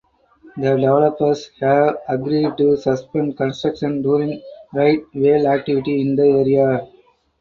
The developers have agreed to suspend construction during right whale activity in the area.